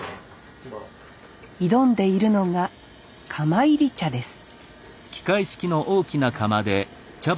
挑んでいるのが釜炒り茶です